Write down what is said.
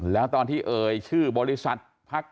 แล้วตอนที่เอ่ยชื่อบริษัทพัก